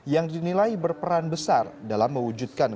yang dinilai berperan besar dalam mewujudkan